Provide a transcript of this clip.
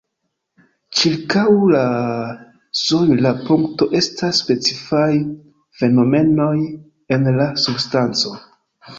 Ĉirkaŭ la sojla punkto estas specifaj fenomenoj en la substanco.